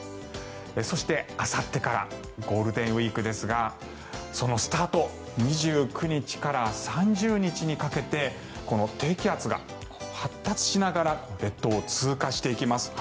そして、あさってからゴールデンウィークですがそのスタート２９日から３０日にかけて低気圧が発達しながら列島を通過していきます。